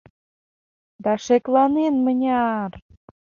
Да шекланен мыняр!